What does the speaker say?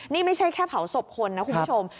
นี่ไม่ใช่แค่เผาศพคนนะคุณผู้ชม